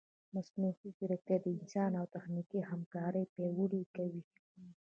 مصنوعي ځیرکتیا د انسان او تخنیک همکاري پیاوړې کوي.